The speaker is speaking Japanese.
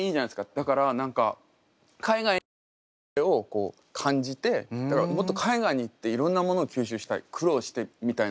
だから何か海外に行った時にそれをこう感じてだからもっと海外に行っていろんなものを吸収したい苦労してみたいな。